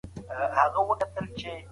په کیسو کي د پښتنو دودونه بیان سوي دي.